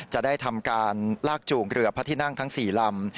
จะได้ทำการลากจูงเรือพระที่นั่งทั้ง๔ลำ